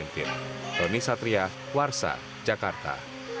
tony satria warsa jakarta